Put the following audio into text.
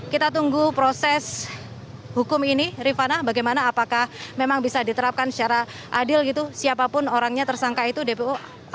kita tunggu proses hukum ini rifana bagaimana apakah memang bisa diterapkan secara adil gitu siapapun orangnya tersangka itu dpo